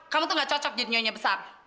kamu tuh gak cocok jadi nyonya besar